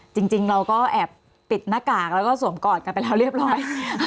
จริงเราก็แอบปิดหน้ากากแล้วก็สวมกอดกันไปแล้วเรียบร้อย